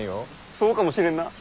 そうかもしれんな！